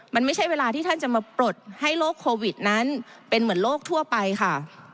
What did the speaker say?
มันไม่ใช่เวลาที่ท่านจะมาปลดให้โรคโควิดนั้นเป็นเหมือนโรคทั่วไปค่ะ